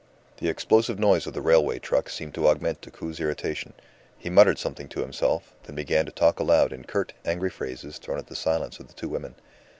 The explosive noise of the railway trucks seemed to augment Decoud's irritation. He muttered something to himself, then began to talk aloud in curt, angry phrases thrown at the silence of the two women.